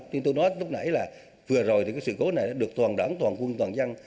như tôi nói lúc nãy là vừa rồi thì cái sự cố này đã được toàn đoạn toàn quân toàn dân